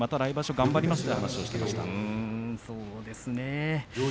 また来場所頑張りますという話をしていました。